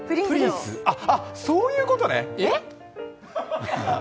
そういうことね！